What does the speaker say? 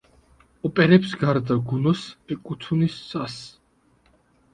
ოპერებს გარდა გუნოს ეკუთვნის სას.